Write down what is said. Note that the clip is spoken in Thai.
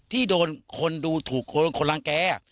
ที่โดนคนดูถูกคนรังแก